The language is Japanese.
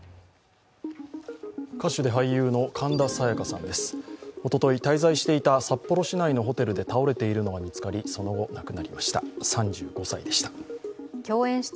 歌手で俳優の神田沙也加さん、おととい、滞在していた札幌市内のホテルで倒れているのが見つかり、その後、亡くなりました。